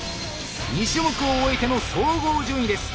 ２種目を終えての総合順位です。